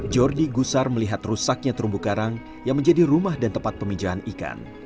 jordi gusar melihat rusaknya terumbu karang yang menjadi rumah dan tempat pemijahan ikan